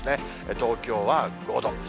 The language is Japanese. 東京は５度。